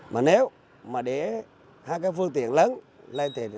mà nếu mà để hai cái phương tiện lớn lên thì nó sẽ